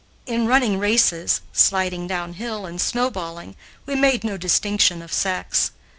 In running races, sliding downhill, and snowballing, we made no distinction of sex.